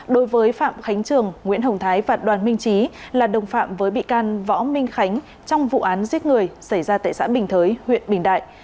đối với phạm khánh trường nguyễn hồng thái và đoàn minh trí là đồng phạm với bị can võ minh khánh trong vụ án giết người xảy ra tại xã bình thới huyện bình đại